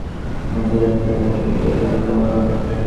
আমি কত উপরে মুখ তুলে তোমার মাথা দেখতে পাই তোমাকে বোঝাব কেমন করে?